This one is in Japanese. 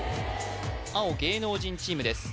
青芸能人チームです